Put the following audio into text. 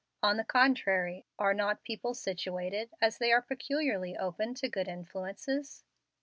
"On the contrary, are not people situated as they are peculiarly open to good influences?